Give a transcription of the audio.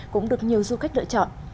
cũng được nhiều du khách lựa chọn